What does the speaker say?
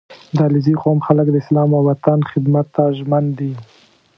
• د علیزي قوم خلک د اسلام او وطن خدمت ته ژمن دي.